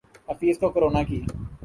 حفیظ کو کرونا کی